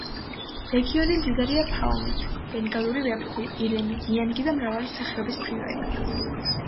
რეგიონი მდიდარია ფაუნით: ბენგალური ვეფხვი, ირემი, ნიანგი და მრავალი სახეობის ფრინველი.